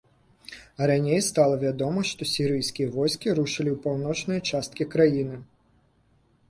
Раней стала вядома, што сірыйскія войскі рушылі ў паўночныя часткі краіны.